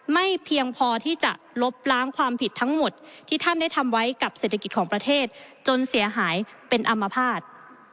ไม่เพียงพอที่จะลบล้างความผิดทั้งหมดที่ท่านได้ทำไว้กับเศรษฐกิจของประเทศจนเสียหายเป็นอัมพาต